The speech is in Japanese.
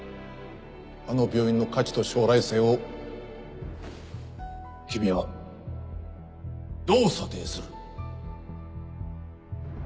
あの病院の価値と将来性を君はどう査定する？